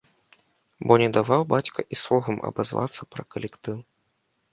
Бо не даваў бацька і словам абазвацца пра калектыў.